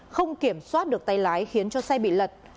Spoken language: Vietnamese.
không kiểm soát được tay lái khiến cho xe bị lật